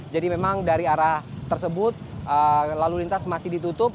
jadi memang dari arah tersebut lalu lintas masih ditutup